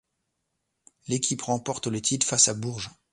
L'équipe remporte le titre face à Bourges.